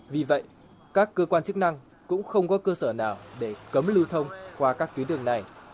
vì vậy các cơ quan chức năng cũng không có cơ sở nào để cấm lưu thông qua các tuyến đường này